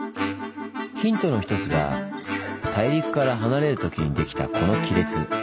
ヒントの一つが大陸から離れるときにできたこの亀裂。